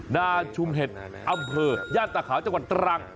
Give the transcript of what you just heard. นาชุมเห็ดอำเภอย่านตาขาวจังหวัดตรัง